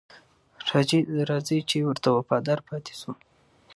راځئ چې ورته وفادار پاتې شو.